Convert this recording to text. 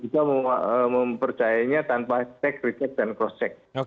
kita mempercayainya tanpa cek recek dan cross check